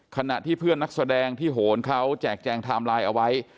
ขณะที่เพื่อนนักแสดงที่โหนเขาแจกแจงไทม์ไลน์เอาไว้